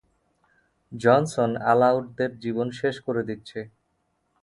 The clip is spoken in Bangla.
জনসন, আলাউটদের জীবন শেষ করে দিচ্ছে.